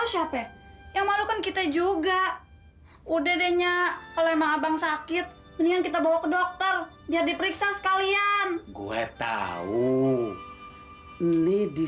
sampai jumpa di video selanjutnya